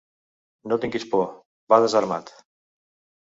No tinguis por: va desarmat.